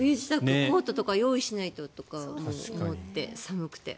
コートとか用意しないとと思って、寒くて。